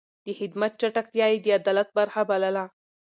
د خدمت چټکتيا يې د عدالت برخه بلله.